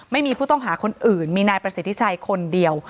ไม่มีผู้ต้องหาคนอื่นมีนายประสิทธิชัยคนเดียว